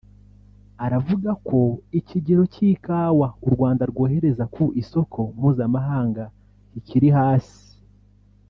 aravuga ko ikigero cy’ikawa u Rwanda rwohereza ku isoko mpuzamahanga kikiri hasi